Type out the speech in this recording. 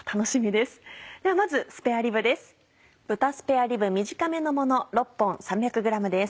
ではまずスペアリブです。